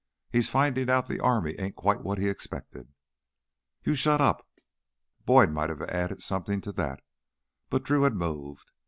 He's findin' out the army ain't quite what he expected." "You shut up !" Boyd might have added something to that, but Drew had moved.